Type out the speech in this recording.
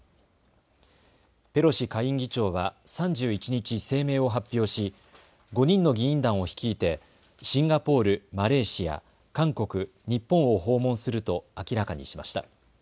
ペロシ下院議長は３１日、声明を発表し５人の議員団を率いてシンガポール、マレーシア、韓国、日本を訪問すると明らかにしました。